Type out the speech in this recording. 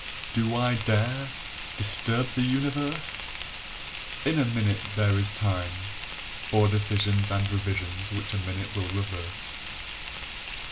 "] Do I dare Disturb the universe? In a minute there is time For decisions and revisions which a minute will reverse.